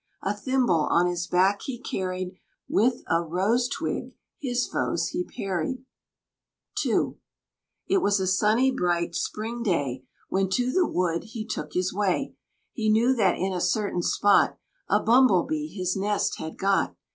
A thimble on his back he carried, With a rose twig his foes he parried. II. It was a sunny, bright, spring day, When to the wood he took his way; He knew that in a certain spot A Bumble Bee his nest had got.